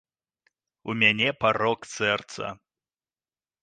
У мяне парок сэрца.